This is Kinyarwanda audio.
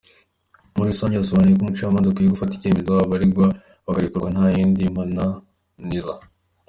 Muri rusange, yasobanuye ko umucamanza akwiye gufata icyemezo, abaregwa bakarekurwa nta yandi mananiza.